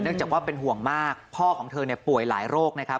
จากว่าเป็นห่วงมากพ่อของเธอป่วยหลายโรคนะครับ